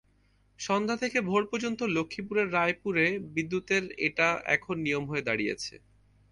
সন্ধ্যা থেকে ভোর পর্যন্ত লক্ষ্মীপুরের রায়পুরে বিদ্যুতের এটা এখন নিয়ম হয়ে দাঁড়িয়েছে।